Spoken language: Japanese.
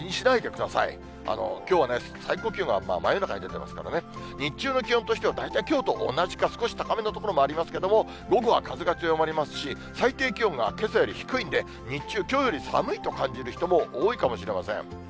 きょうは最高気温が真夜中に出てますからね、日中の気温としては、大体きょうと同じか、少し高めの所もありますけれども、午後は風が強まりますし、最低気温がけさより低いんで、日中、きょうより寒いと感じる人も多いかもしれません。